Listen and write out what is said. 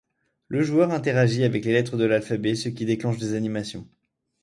Le joueur interagit avec les lettres de l'alphabet, ce qui déclenche des animations.